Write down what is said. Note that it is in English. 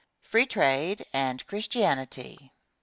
FREE TRADE AND CHRISTIANITY.